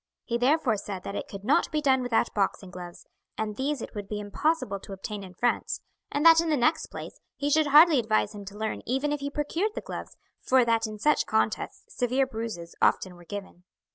He therefore said that it could not be done without boxing gloves, and these it would be impossible to obtain in France; and that in the next place he should hardly advise him to learn even if he procured the gloves, for that in such contests severe bruises often were given.